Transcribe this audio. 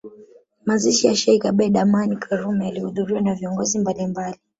Mazishi ya Sheikh Abeid Amani Karume yalihudhuriwa na viongozi mbalimbali